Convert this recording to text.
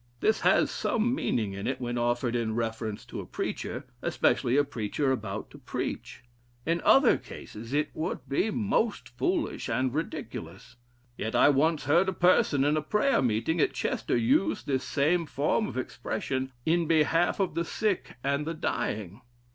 This has some meaning in it when offered in reference to a preacher, especially a preacher about to preach. In other cases it would be most foolish and ridiculous. Yet I once heard a person in a prayer meeting at Chester use this same form of expression in behalf of the sick and the dying.